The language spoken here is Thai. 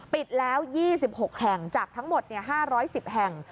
ปิดแล้ว๒๖แห่งจากทั้งหมด๕๑๐แห่ง